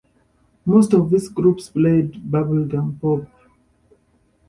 Most of these groups played bubblegum pop.